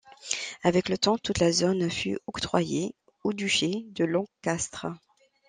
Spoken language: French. Avec le temps, toute la zone fut octroyée au Duché de Lancastre.